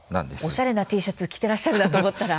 おしゃれなＴシャツ着てらっしゃるなと思ったら。